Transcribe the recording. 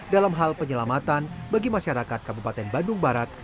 dalam hal penyelamatan bagi masyarakat kabupaten bandung barat